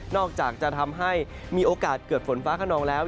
อกจากจะทำให้มีโอกาสเกิดฝนฟ้าขนองแล้ว